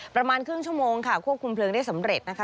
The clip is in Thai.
ประมาณครึ่งชั่วโมงค่ะควบคุมเพลิงได้สำเร็จนะคะ